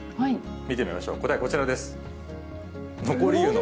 見てみましょう、答え、こちらです。